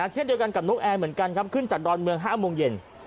เช่นเดียวกันกับนกแอร์เหมือนกันครับขึ้นจากดอนเมือง๕โมงเย็น